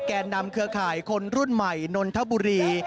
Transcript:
แก่นำเครือข่ายคนรุ่นใหม่นนทบุรี